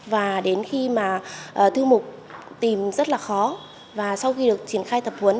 và đến khi mà thư mục tìm rất là khó và sau khi được triển khai tập huấn